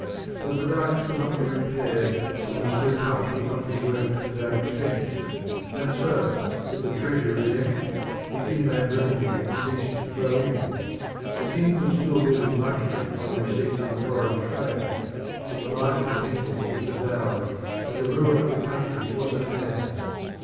But the dikes could not be repaired and the screw pumps could not be worked without expense, and so if the treasury was empty the inland revenue ceased to flow in. The king could still live in luxury on the receipts of the foreign trade, but the life of the people was devoured, and the ruin of the country was at hand.